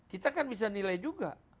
kita kan bisa nilai juga